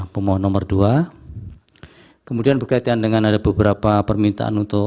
pemohon nomor dua kemudian berkaitan dengan ada beberapa permintaan untuk